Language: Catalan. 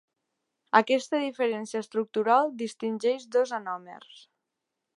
Aquesta diferència estructural distingeix dos anòmers.